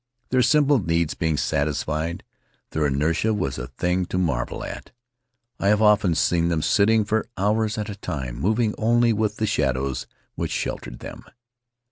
Their simple needs being satisfied, their inertia was a thing to marvel at. I have often seen them sitting for hours at a time, moving only with the shadows which sheltered them.